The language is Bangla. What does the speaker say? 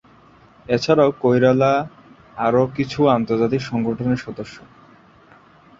এছাড়াও কৈরালা আরো কিছু আন্তর্জাতিক সংগঠনের সদস্য।